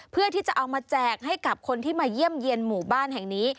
เพื่อที่จะเอามาแจกให้กับคนที่มาเยี่ยมเยี่ยนหมู่บ้านแห่งนี้